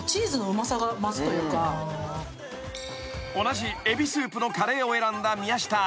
［同じエビスープのカレーを選んだ宮下。